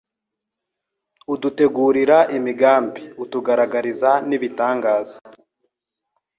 udutegurira imigambi utugaragariza n’ibitangaza